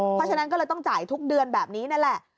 เพราะฉะนั้นก็เลยต้องจ่ายทุกเดือนแบบนี้นั่นแหละ